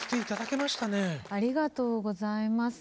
ありがとうございます。